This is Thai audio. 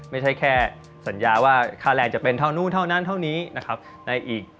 ไม่ใช่แค่สัญญาว่าค่าแรงจะเป็นเท่านู้นเท่านั้นเท่านี้นะครับในอีก